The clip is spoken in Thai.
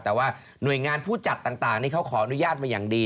แต่ว่าหน่วยงานผู้จัดต่างนี่เขาขออนุญาตมาอย่างดี